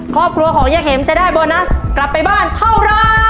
ครอบครัวของย่าเข็มจะได้โบนัสกลับไปบ้านเท่าไร